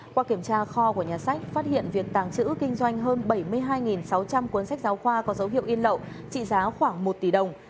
qua kiểm tra kho của nhà sách phát hiện việc tàng trữ kinh doanh hơn bảy mươi hai sáu trăm linh cuốn sách giáo khoa có dấu hiệu in lậu trị giá khoảng một tỷ đồng